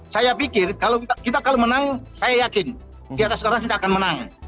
saya pikir kalau kita menang saya yakin di atas kota kita akan menang